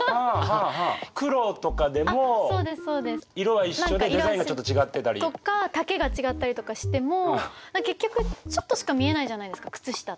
黒とかでも色は一緒でデザインがちょっと違ってたり。とか丈が違ったりとかしても結局ちょっとしか見えないじゃないですか靴下って。